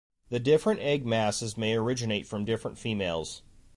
The different egg masses may originate from different females.